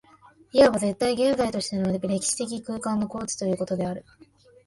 いわば絶対現在としての歴史的空間の個物ということである。